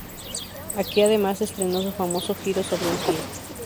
Aquí además estrenó su famoso giro sobre un pie.